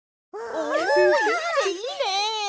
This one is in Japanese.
おいいねいいね！